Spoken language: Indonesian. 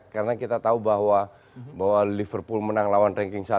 karena kita tahu bahwa liverpool menang lawan ranking satu